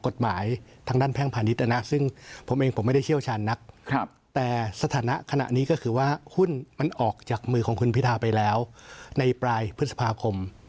สถานะขณะนี้ก็คือว่าหุ้นมันออกจากมือของคุณพิทาไปแล้วในปลายพฤษภาคม